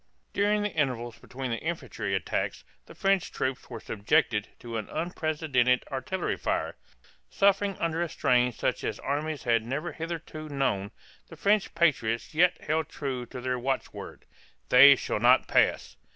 During the intervals between the infantry attacks the French troops were subjected to an unprecedented artillery fire. Suffering under a strain such as armies had never hitherto known, the French patriots yet held true to their watchword, "They shall not pass."